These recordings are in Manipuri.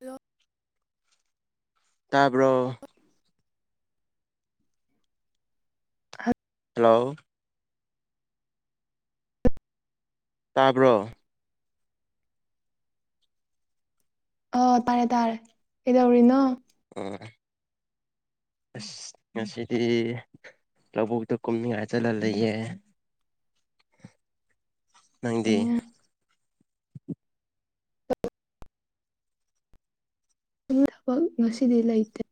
ꯍꯜꯂꯣ ꯇꯥꯕ꯭ꯔꯣ ꯍꯜ ꯍꯂꯣ ꯇꯥꯕ꯭ꯔꯣ ꯑ ꯇꯥꯔꯦ ꯇꯥꯔꯦ ꯀꯩꯗꯧꯔꯤꯅꯣ [unintelligible] ꯑꯁ ꯉꯁꯤꯗꯤ ꯂꯧꯕꯨꯛꯇ ꯀꯨꯝꯅꯤꯡꯉꯥꯏ ꯆꯠꯂ ꯂꯩꯌꯦ ꯑꯣ ꯅꯪꯗꯤ ꯑꯩ ꯊꯕꯛ ꯉꯁꯤꯗꯤ ꯂꯩꯇꯦ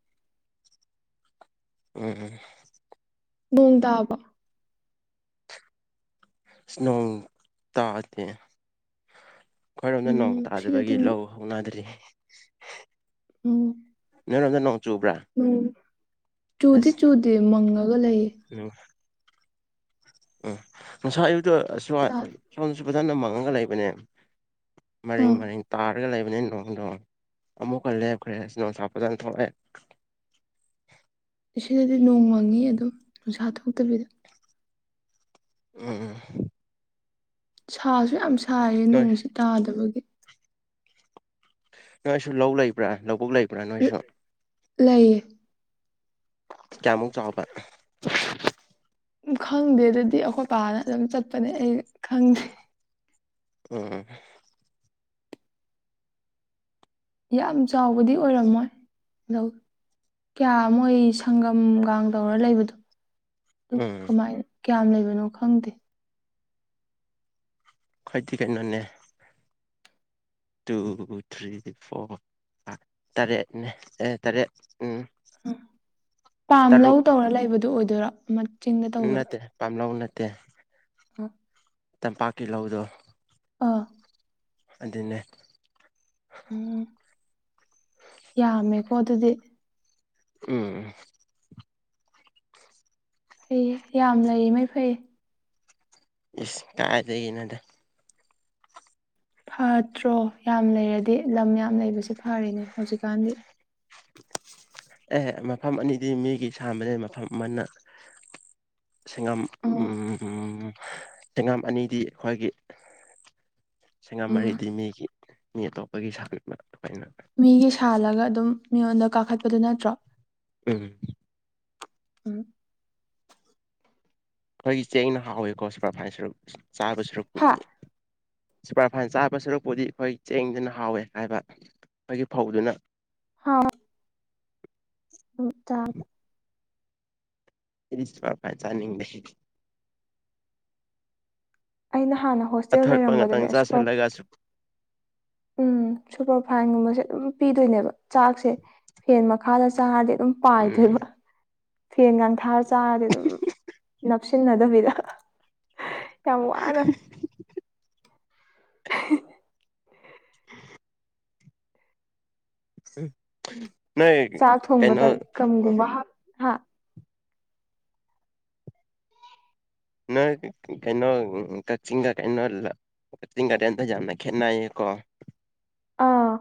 ꯎꯝ ꯎꯝ ꯅꯣꯡ ꯇꯥꯕ꯭ꯔꯣ ꯅꯣꯡ ꯇꯥꯗꯦ ꯑꯩꯈꯣꯏꯔꯣꯝꯗ ꯅꯣꯡ ꯎꯝ ꯁꯤꯗꯗꯤ ꯇꯥꯗꯕꯒꯤ ꯂꯧ ꯍꯧꯅꯗ꯭ꯔꯤ ꯑꯣ ꯅꯣꯏ ꯔꯣꯝꯗ ꯅꯣꯡ ꯆꯨꯕ꯭ꯔꯥ ꯆꯨꯗꯤ ꯑꯁ ꯆꯨꯗꯦ ꯃꯪꯉꯒ ꯂꯩ ꯎꯝ ꯎꯝ ꯉꯁꯥꯏ ꯑꯌꯨꯛꯇꯣ ꯁꯣꯝ ꯑꯥ ꯁꯣꯝꯗꯁꯨ ꯐꯖꯅ ꯃꯪꯉꯒ ꯂꯩꯕꯅꯦ ꯃꯔꯤꯡ ꯃꯔꯤꯡ ꯇꯥꯔꯒ ꯂꯩꯕꯅꯤ ꯅꯣꯡꯗꯣ ꯑꯃꯨꯛ ꯀ ꯂꯦꯞꯈ꯭ꯔꯦ ꯅꯨꯡꯁꯥ ꯐꯖꯅ ꯊꯣꯛꯑꯦ [inaudible] ꯁꯤꯗꯗꯤ ꯅꯣꯡ ꯃꯪꯉꯤ ꯑꯗꯨꯝ ꯅꯨꯡꯁꯥ ꯊꯣꯛꯇꯕꯤꯗ ꯎꯝ ꯎꯝ ꯁꯥꯁꯨ ꯌꯥꯝ ꯁꯥꯏꯌꯦ ꯅꯣꯏ ꯅꯣꯡꯁꯤ ꯇꯥꯗꯕꯒꯤ ꯅꯣꯏꯁꯨ ꯂꯧ ꯂꯩꯕ꯭ꯔꯥ ꯂꯧꯕꯨꯛ ꯂꯩꯕ꯭ꯔꯥ ꯅꯣꯏꯁꯨ ꯂꯩꯌꯦ ꯀꯌꯥꯃꯨꯛ ꯆꯥꯎꯕ ꯈꯪꯗꯦ ꯑꯗꯨꯗꯤ ꯑꯩꯈꯣꯏ ꯄꯥꯅ ꯑꯗꯨꯝ ꯆꯠꯄꯅꯦ ꯑꯩ ꯈꯪꯗꯦ ꯪꯑꯣ ꯌꯥꯝ ꯆꯥꯎꯕꯗꯤ ꯑꯣꯏꯔꯝꯃꯣꯏ ꯂꯧ ꯀꯌꯥ ꯃꯣꯏ ꯁꯪꯒꯝꯒ ꯇꯧꯔ ꯂꯩꯕꯗꯣ ꯑꯗꯨ ꯎꯝ ꯀꯃꯥꯏꯟ ꯀꯌꯥꯝ ꯂꯩꯕꯅꯣ ꯈꯪꯗꯦ ꯈꯣꯏꯗꯤ ꯀꯩꯅꯣꯅꯦ ꯇꯨ ꯊ꯭ꯔꯤ ꯐꯣꯔ ꯐꯥꯢꯐ ꯇꯔꯦꯠꯅꯦ ꯑꯦ ꯇꯔꯦꯠ ꯎꯝ ꯎꯝ ꯄꯥꯝ ꯂꯧ ꯇꯧꯔ ꯂꯩꯕꯗꯣ ꯑꯣꯏꯗꯣꯏꯔꯣ ꯑꯃ ꯆꯤꯡꯗ ꯎꯝ ꯅꯠꯇꯦ ꯄꯥꯝꯂꯧ ꯅꯠꯇꯦ ꯍꯥ ꯇꯝꯄꯥꯛꯀꯤ ꯂꯧꯗꯣ ꯑꯥ ꯑꯗꯨꯅꯦ ꯎꯝ ꯌꯥꯝꯃꯦꯀꯣ ꯑꯗꯨꯗꯤ ꯀꯦ ꯐꯩꯌꯦ ꯌꯥꯝ ꯂꯩꯔꯤꯃꯩ ꯐꯩꯌꯦ ꯏꯁ ꯀꯥꯏꯗꯒꯤꯅꯣꯗ ꯐꯥꯠꯇ꯭ꯔꯣ ꯌꯥꯝ ꯂꯩꯔꯗꯤ ꯂꯝ ꯌꯥꯝ ꯂꯩꯕꯁꯦ ꯐꯔꯤꯅꯦ ꯍꯧꯖꯤꯛꯀꯥꯟꯗꯤ [inaudible] ꯑꯦ ꯃꯐꯝ ꯑꯅꯤꯗꯤ ꯃꯤꯒꯤ ꯁꯥꯟꯕꯅꯦ ꯃꯐꯝ ꯑꯃꯅ ꯁꯦꯡꯉꯝ ꯎꯝ ꯁꯦꯡꯉꯝ ꯑꯅꯤꯗꯤ ꯑꯩꯈꯣꯏꯒꯤ [inaudible] ꯁꯦꯡꯉꯝ ꯃꯔꯤꯗꯤ ꯃꯤꯒꯤ ꯃꯤ ꯑꯇꯣꯞꯄꯒꯤ ꯁꯥꯟꯕ ꯑꯩꯅ ꯃꯤꯒꯤ ꯁꯥꯜꯂꯒ ꯑꯗꯨꯝ ꯃꯤꯉꯣꯟꯗ ꯀꯥꯈꯠꯄꯗꯣ ꯅꯠꯇ꯭ꯔꯣ ꯎꯝ ꯎꯝ ꯑꯩꯈꯣꯏꯒꯤ ꯆꯦꯡꯅ ꯍꯥꯎꯋꯦꯀꯣ ꯁꯨꯄꯔꯐꯥꯢꯟꯁꯨ ꯆꯥꯕ ꯍꯥ ꯁꯔꯨꯛꯄꯨꯗꯤ ꯁꯨꯄꯔꯐꯥꯏꯟ ꯆꯥꯕ ꯁꯔꯨꯛꯄꯨꯗꯤ ꯑꯩꯈꯣꯏ ꯆꯦꯡꯗꯨꯅ ꯍꯥꯎꯋꯦ ꯍꯥꯏꯕ ꯑꯩꯈꯣꯏꯒꯤ ꯐꯧꯗꯨꯅ ꯍꯥꯎꯋꯦ ꯎ ꯇꯥꯒ ꯑꯩꯗꯤ ꯁꯨꯄꯔꯐꯥꯢꯟ ꯆꯥꯅꯤꯡꯗꯦꯍꯦ ꯑꯩꯅ ꯍꯥꯟꯅ ꯍꯣꯁꯇꯦꯜ ꯑꯊꯠꯄ ꯉꯇꯪ ꯂꯩꯔꯝꯕꯗꯅꯦ ꯁꯨꯄꯔ ꯆꯥꯥꯁꯜꯂꯒ ꯁꯨ ꯎꯝ ꯁꯨꯄꯔꯐꯥꯏꯟꯒꯨꯝꯕꯁꯦ ꯑꯗꯨꯝ ꯄꯤꯗꯣꯏꯅꯦꯕ ꯆꯥꯛꯁꯦ ꯐꯦꯟ ꯃꯈꯥꯗ ꯆꯥꯔꯗꯤ ꯗꯨꯝ ꯎꯝ ꯄꯥꯏꯈ꯭ꯔꯦꯕ ꯐꯦꯟꯒꯥꯡ ꯊꯥꯔ ꯆꯥꯔꯗꯤ ꯑꯗꯨꯝ ꯅꯞꯁꯤꯟꯅꯗꯕꯤꯗ ꯍ ꯌꯥꯝ ꯋꯥꯅ ꯍꯤ [inaudible] ꯍꯤꯛ ꯅꯣꯏ ꯆꯥꯛ ꯊꯣꯡꯕꯗ ꯀꯩꯅꯣ ꯑ ꯒꯝꯒꯨꯝꯕ ꯍꯥꯞ ꯍꯥ ꯅꯣꯏ ꯀꯩꯅꯣ ꯀꯛꯆꯤꯡꯗ ꯀꯩꯅꯣ ꯂ ꯀꯛꯆꯤꯡ ꯒꯥꯔꯗꯦꯟꯗꯣ ꯌꯥꯝꯅ ꯈꯦꯠꯅꯩꯌꯦꯀꯣ ꯑꯥ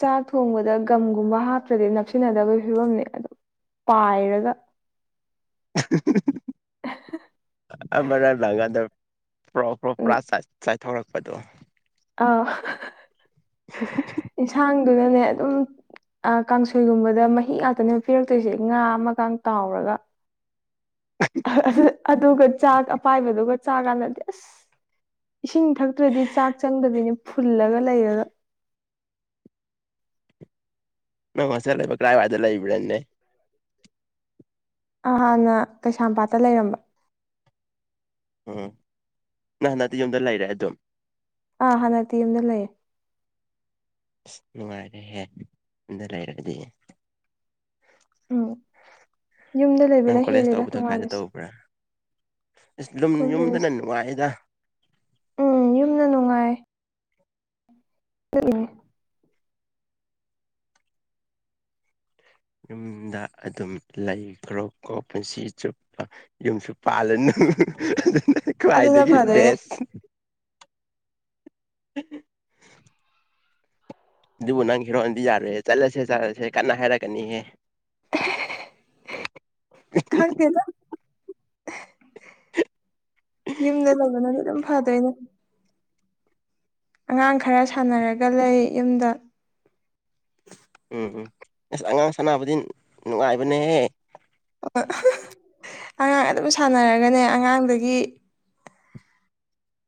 ꯆꯥꯛ ꯊꯣꯡꯕꯗ ꯒꯝꯒꯨꯝꯕ ꯍꯥꯞꯇ꯭ꯔꯗꯤ ꯅꯛꯁꯤꯟꯅꯗꯕꯒꯤ ꯐꯤꯕꯝꯅꯦ ꯑꯗꯣ ꯄꯥꯏꯔꯒ ꯑꯍꯍꯍ ꯑꯃꯔꯛ ꯂꯥꯡꯒꯗꯧ ꯄ꯭ꯔꯣ ꯄ꯭ꯔꯣ ꯎꯝ ꯄ꯭ꯔꯥ ꯆ ꯆꯥꯏꯊꯣꯔꯛꯄꯗꯣ ꯑꯥ ꯍꯍꯍ ꯍꯝ ꯍꯝ ꯍꯝ ꯗꯨꯅꯅꯦ ꯑꯗꯨꯝ ꯑꯥ ꯀꯥꯡꯁꯣꯏꯒꯨꯝꯕꯗ ꯃꯍꯤ ꯉꯥꯛꯇꯅꯦ ꯄꯤꯔꯛꯇꯣꯏꯁꯦ ꯉꯥ ꯑꯃꯒ ꯇꯥꯎꯔꯒ ꯑꯍꯍ ꯑꯗꯨꯒ ꯆꯥꯛ ꯑꯄꯥꯏꯕꯗꯨꯒ ꯆꯥ ꯀꯥꯟꯗꯗꯤ ꯑꯁ ꯏꯁꯤꯡ ꯊꯛꯇ꯭ꯔꯗꯤ ꯆꯥꯛ ꯆꯪꯗꯕꯤꯅꯤ ꯐꯨꯜꯂꯒ ꯂꯩꯔꯒ ꯅꯪ ꯍꯣꯁꯇꯦꯜ ꯂꯩꯕ ꯀꯥꯔꯥꯏ ꯋꯥꯏꯗ ꯂꯩꯕ꯭ꯔꯅꯦ ꯑ ꯍꯥꯟꯅ ꯀꯩꯁꯥꯝꯄꯥꯠꯇ ꯂꯩꯔꯝꯕ ꯎꯝ ꯅꯪ ꯍꯟꯗꯛꯇꯤ ꯌꯨꯝꯗ ꯂꯩꯔꯦ ꯑꯗꯨꯝ ꯑꯥ ꯍꯥꯟꯗꯛꯇꯤ ꯌꯨꯝꯗ ꯂꯩ ꯑꯁ ꯅꯨꯡꯉꯥꯏꯔꯦꯍꯦ ꯌꯨꯝꯗ ꯂꯩꯔꯕꯗꯤ ꯎꯝ ꯌꯨꯝꯗ ꯅꯪ ꯂꯩꯕꯅ ꯀꯣꯂꯦꯖ ꯍꯦꯜꯂꯦꯗ ꯇꯧꯕꯗꯣ ꯀꯥꯏꯗ ꯅꯨꯡꯉꯥꯏꯕꯁꯦ ꯇꯧꯕ꯭ꯔꯥ ꯑꯁ ꯑꯗꯨꯝ ꯌꯨꯝꯗꯅ ꯀꯣꯂꯦꯖ ꯅꯨꯡꯉꯥꯏꯗ ꯎꯝ ꯌꯨꯝꯅ ꯅꯨꯡꯉꯥꯏ ꯑꯗꯨꯅꯅꯦ ꯌꯨꯝꯗ ꯑꯗꯨꯝ ꯂꯩꯈ꯭ꯔꯣ ꯀꯣ ꯄꯨꯟꯁꯤ ꯆꯨꯞꯄ ꯌꯨꯝꯁꯨ ꯄꯥꯜꯂꯅꯨ ꯑꯗꯨꯅ ꯀ꯭ꯋꯥꯗꯒꯤ ꯐꯗꯣꯏꯅꯦ ꯕꯦꯁ ꯎꯝ ꯑꯗꯨꯕꯨ ꯅꯪ ꯍꯤꯔꯣꯅꯗꯤ ꯌꯥꯔꯣꯏꯍꯦ ꯆꯠꯂꯁꯦ ꯆꯠꯂꯁꯦ ꯀꯟꯅ ꯍꯥꯏꯔꯛꯀꯅꯤꯍꯦ ꯈꯪꯗꯦꯗ ꯌꯨꯝꯗ ꯂꯧꯕꯅꯗꯤ ꯑꯗꯨꯝ ꯐꯗꯣꯏꯅꯦ ꯑꯉꯥꯡ ꯈꯔ ꯁꯥꯟꯅꯔꯒ ꯂꯩ ꯌꯨꯝꯗ ꯎꯝ ꯎꯝ ꯑꯁ ꯑꯉꯥꯡ ꯁꯥꯟꯅꯕꯗꯤ ꯅꯨꯡꯉꯥꯏꯕꯅꯦꯍꯦ ꯑꯉꯥꯡ ꯑꯗꯨꯝ ꯁꯥꯟꯅꯔꯒꯅꯦ ꯑꯉꯥꯡꯗꯒꯤ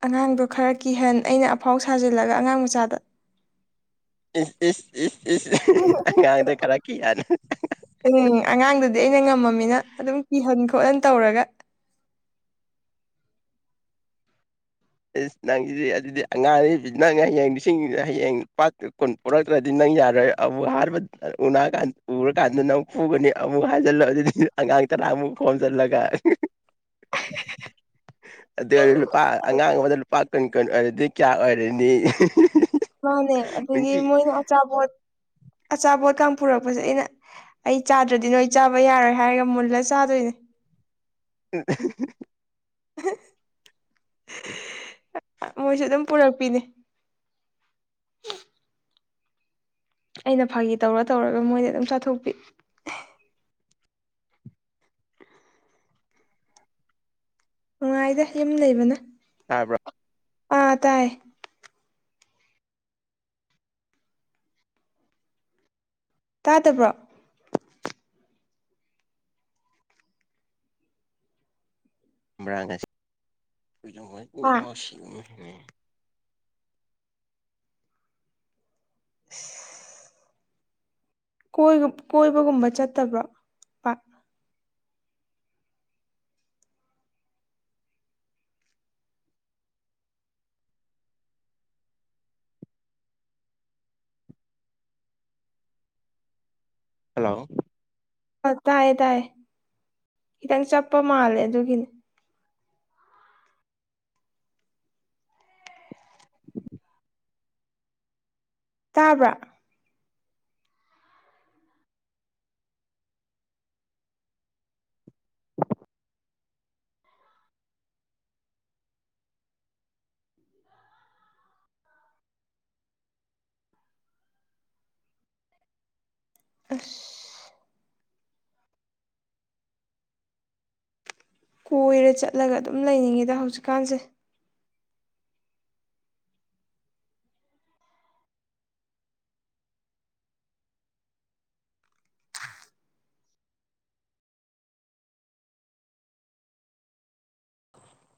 ꯑꯉꯥꯡꯗꯣ ꯈꯔ ꯀꯤꯍꯟ ꯑꯩꯅ ꯑꯐꯥꯎ ꯁꯥꯖꯤꯜꯂꯒ ꯑꯉꯥꯡ ꯃꯆꯥꯗ ꯏꯁ ꯏꯁ ꯏꯁ ꯏꯁ ꯑꯉꯥꯡꯗ ꯈꯔ ꯀꯤꯍꯟ ꯎꯝ ꯑꯉꯥꯡꯗꯨꯗꯤ ꯑꯩꯅ ꯉꯝꯃꯅꯤꯅ ꯑꯗꯨꯝ ꯀꯤꯍꯟ ꯈꯣꯠꯍꯟ ꯇꯧꯔꯒ ꯑꯦꯁ ꯅꯪꯖꯤꯗꯤ ꯑꯗꯨꯗꯤ ꯑꯉꯥꯡ ꯅꯪ ꯍꯌꯦꯡ ꯂꯤꯁꯤꯡ ꯍꯌꯦꯡ ꯄꯥꯠ ꯀꯨꯟ ꯄꯨꯔꯛꯇ꯭ꯔꯗꯤ ꯅꯪ ꯌꯥꯔꯣꯏ ꯑꯃꯨꯛ ꯎꯅꯀꯥꯟ ꯎꯔꯀꯥꯟꯗ ꯅꯩ ꯄꯨꯒꯅꯤ ꯑꯃꯨꯛ ꯍꯥꯏꯖꯤꯜꯂꯣ ꯑꯗꯨꯗꯤ ꯑꯉꯥꯡ ꯇꯔꯥꯃꯨꯛ ꯈꯣꯟꯖꯜꯂꯒ [unintelligible] ꯑꯗꯩ ꯂꯨꯄꯥ ꯑꯉꯥꯡ ꯑꯃꯗ ꯂꯨꯄꯥ ꯀꯨꯟ ꯀꯨꯟ ꯑꯣꯏꯔꯗꯤ ꯀꯌꯥ ꯑꯣꯏꯔꯅꯤ ꯃꯥꯅꯦ ꯑꯗꯒꯤ ꯅꯨꯡꯇꯤ ꯃꯣꯏꯅ ꯑꯆꯥꯄꯣꯠ ꯑꯆꯥꯄꯣꯠ ꯀꯥꯡ ꯄꯨꯨꯔꯛꯄꯁꯦ ꯑꯩꯅ ꯑꯩ ꯆꯥꯗ꯭ꯔꯗꯤ ꯅꯣꯏ ꯆꯥꯕ ꯌꯥꯔꯣꯏ ꯍꯥꯏꯔꯒ ꯃꯨꯜꯂ ꯆꯥꯗꯣꯏꯅꯦ [inaudible] [unintelligible] [unintelligible] ꯃꯣꯏꯁꯨ ꯑꯗꯨꯝ ꯄꯨꯔꯛꯄꯤꯅꯦ ꯑꯩꯅ ꯐꯥꯒꯤ ꯇꯧꯔ ꯇꯧꯔꯒ ꯃꯣꯏꯗꯩ ꯑꯗꯨꯝ ꯆꯥꯊꯣꯛꯄꯤ ꯅꯨꯡꯉꯥꯏꯗ ꯌꯨꯝ ꯂꯩꯕꯅ ꯇꯕ꯭ꯔ ꯑꯥ ꯇꯥꯏꯌꯦ ꯇꯥꯗꯕ꯭ꯔꯣ ꯑ [unintelligible] ꯀꯣꯏ ꯀꯣꯏꯕꯒꯨꯝꯕ ꯆꯠꯇꯕ꯭ꯔꯣ ꯄꯥꯛ ꯍꯜꯂꯣ ꯑꯥ ꯇꯥꯏꯌꯦ ꯇꯥꯏꯌꯦ ꯈꯤꯇꯪ ꯆꯞꯄ ꯃꯥꯜꯂꯦ ꯑꯗꯨꯒꯤꯅꯤ ꯇꯥꯕ꯭ꯔꯥ ꯑꯁ ꯀꯣꯏꯔ ꯆꯠꯂꯒ ꯑꯗꯨꯝ ꯂꯩꯅꯤꯡꯉꯦꯗ ꯍꯧꯖꯤꯛꯀꯥꯟꯁꯦ